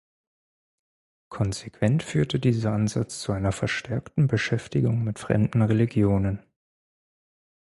Konsequent führte dieser Ansatz zu einer verstärkten Beschäftigung mit fremden Religionen.